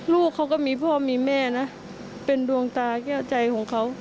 ลูกเขาก็มีพ่อมีแม่นะเป็นดวงตาแก้วใจของเขา